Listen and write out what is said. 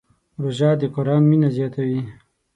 روژه د قرآن مینه زیاتوي.